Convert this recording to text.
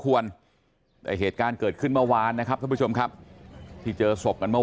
ควรแต่เหตุการณ์เกิดขึ้นเมื่อวานนะครับท่านผู้ชมครับที่เจอศพกันเมื่อ